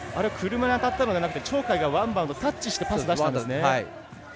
車に当たったのではなくて鳥海がワンバウンドでパスをしたんですね。